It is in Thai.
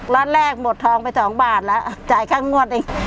ล็อตแรกหมดทองไป๒บาทแล้วจ่ายค่างวดเอง